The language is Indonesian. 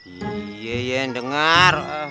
iya yang dengar